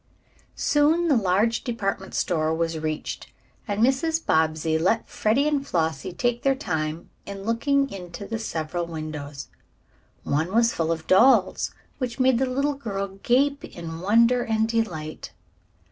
Soon the large department store was reached and Mrs. Bobbsey let Freddie and Flossie take their time in looking into the several windows. One was full of dolls, which made the little girl gape in wonder and delight.